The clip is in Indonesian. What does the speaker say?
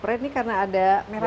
sebelumnya saya mau di bawah luar